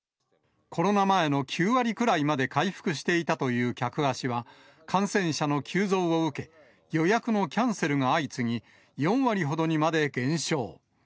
コロナ前の９割くらいまで回復していたという客足は、感染者の急増を受け、予約のキャンセルが相次ぎ、４割ほどにまで減少。